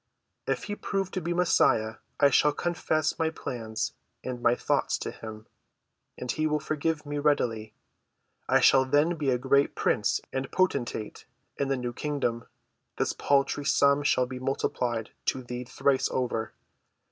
If he prove to be Messiah I shall confess my plans and my thoughts to him, and he will forgive me readily. I shall then be a great prince and potentate in the new kingdom. This paltry sum shall be multiplied to thee thrice over."